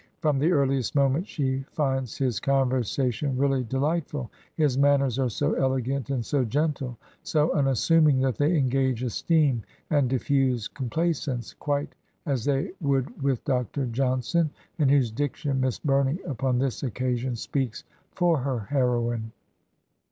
From the earliest moment she finds his " conversation really delightful. His manners are so elegant and so gentle, so unassuming that they engage esteem and diffuse complacence," quite as they would with Dr. Johnson, in whose diction Miss Bumey upon this occasion speaks for her heroine.